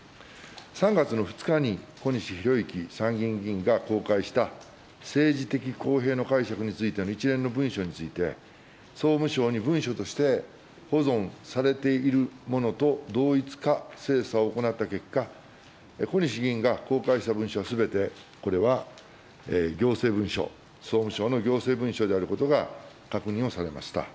３月の２日に、小西洋之参議院議員が公開した政治的公平の解釈についての一連の文書について、総務省に文書として保存されているものと同一か精査を行った結果、小西議員が公開した文書はすべてこれは行政文書、総務省の行政文書であることが確認をされました。